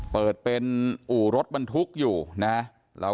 เปิดเป็นอู่รถบรรทุกอยู่นะ